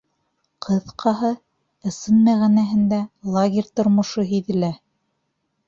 Ҡыҫҡаһы, ысын мәғәнәһендә лагерь тормошо һиҙелә.